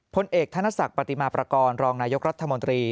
พลเอกธนศักดิ์ปฏิมาประกอบรองนายกรัฐมนตรี